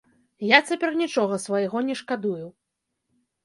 Я цяпер нічога свайго не шкадую.